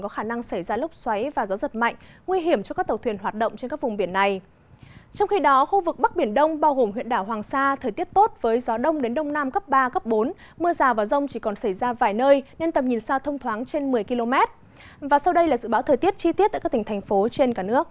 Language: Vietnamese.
hãy đăng ký kênh để ủng hộ kênh của chúng mình nhé